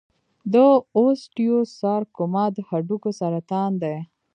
د اوسټیوسارکوما د هډوکو سرطان دی.